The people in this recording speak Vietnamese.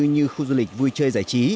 như khu du lịch vui chơi giải trí